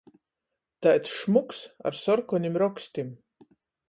Taids šmuks ar sorkonim rokstim.